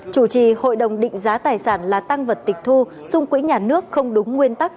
chủ trì hội đồng định giá tài sản là tăng vật tịch thu xung quỹ nhà nước không đúng nguyên tắc